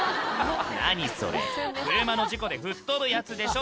「何それ車の事故で吹っ飛ぶやつでしょ？